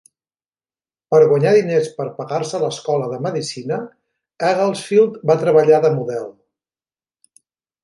Per guanyar diners per pagar-se l'escola de medicina, Egglesfield va treballar de model